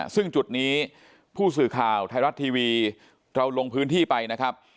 ซึ่งจุดนี้ผู้สื่อข่าวไทยรัฐทีวีเราลงพื้นที่ไปนะครับ